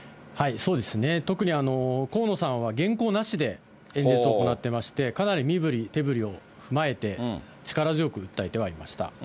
そうですね、特に河野さんは原稿なしで演説を行ってまして、かなり身ぶり手ぶりを交えて力強く訴えてはいました。